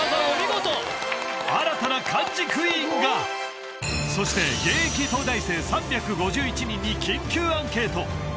お見事新たな漢字クイーンがそして現役東大生３５１人に緊急アンケート